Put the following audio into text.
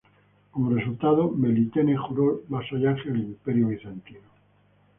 Como resultado, Melitene juró vasallaje al Imperio bizantino.